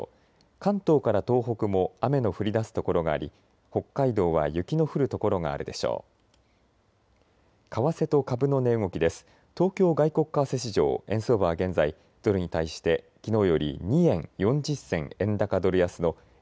関東から東北も雨の降りだす所があり北海道は雪の降る所があるでしょう。